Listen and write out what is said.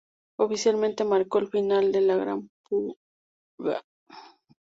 Oficialmente marcó el final de la Gran Purga.